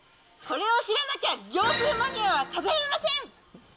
これを知らなきゃ、業スーマニアは語れません。